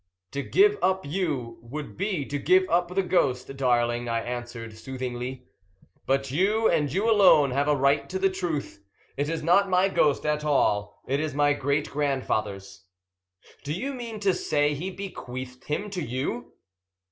"To give up you would be to give up the ghost, darling," I answered soothingly. "But you, and you alone, have a right to the truth. It is not my ghost at all, it is my great grandfather's." "Do you mean to say he bequeathed him to you?"